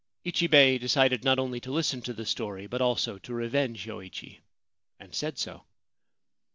Ichibei decided not only to listen to the story but also to revenge Yoichi, and said so.